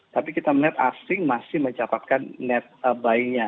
tapi kita melihat asing masih mencatatkan net buy nya